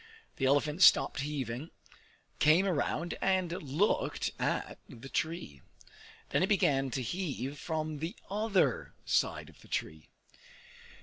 The elephant stopped heaving, came around and looked at the tree. Then he began to heave from the other side of the tree.